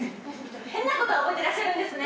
変なこと覚えてらっしゃるんですね！